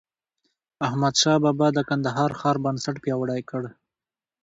احمدشاه بابا د کندهار ښار بنسټ پیاوړی کړ.